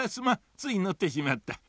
ついのってしまったエヘ。